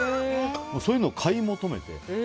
そういうのを買い求めて。